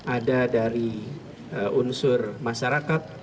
ada dari unsur masyarakat